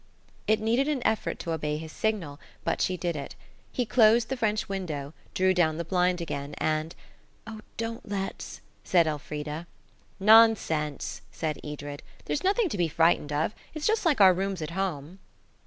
It needed an effort to obey his signal, but she did it. He closed the French window, drew down the blind again, and– "Oh, don't let's," said Elfrida. "Nonsense," said Edred; "there's nothing to be frightened of. It's just like our rooms at home."